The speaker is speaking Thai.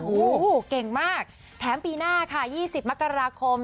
โอ้โหเก่งมากแถมปีหน้าค่ะ๒๐มกราคม